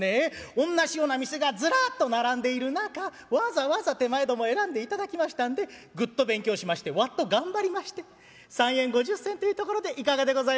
おんなしような店がずらっと並んでいる中わざわざ手前ども選んでいただきましたんでグッと勉強しましてワッと頑張りまして３円５０銭というところでいかがでございましょう？」。